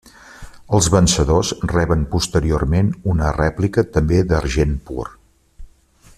Els vencedors reben posteriorment una rèplica també d'argent pur.